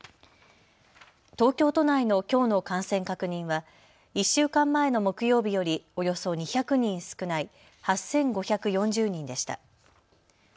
東京都内のきょうの感染確認は１週間前の木曜日よりおよそ２００人少ない８５４０人でした。